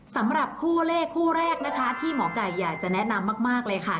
สำหรับคู่เลขคู่แรกนะคะที่หมอไก่อยากจะแนะนำมากเลยค่ะ